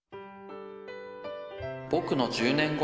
「ぼくの１０年後」。